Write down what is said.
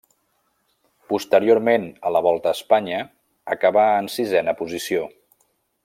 Posteriorment a la Volta a Espanya acabà en sisena posició.